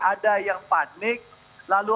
ada yang panik lalu